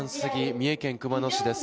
三重県熊野市です。